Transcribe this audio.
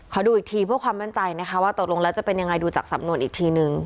ดูอีกทีเพื่อความมั่นใจนะคะว่าตกลงแล้วจะเป็นยังไงดูจากสำนวนอีกทีนึง